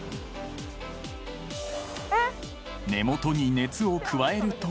［根元に熱を加えると］